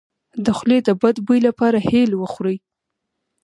د خولې د بد بوی لپاره هل وخورئ